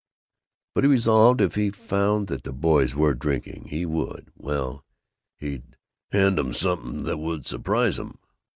But, he resolved, if he found that the boys were drinking, he would well, he'd "hand 'em something that would surprise 'em."